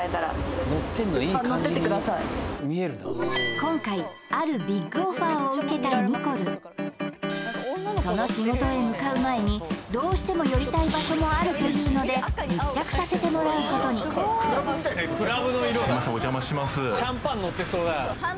今回あるＢＩＧオファーを受けたニコルその仕事へ向かう前にどうしても寄りたい場所もあるというので密着させてもらうことにすいません